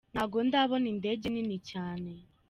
Ntago ndabona indege nini cyane.